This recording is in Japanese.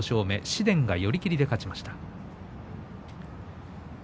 紫雷が寄り切りで勝ちました。